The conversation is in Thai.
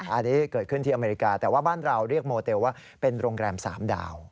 อันนี้เกิดขึ้นที่อเมริกาแต่ว่าบ้านเราเรียกโมเตลว่าเป็นโรงแรม๓ดาว